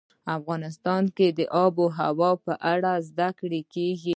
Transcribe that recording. افغانستان کې د آب وهوا په اړه زده کړه کېږي.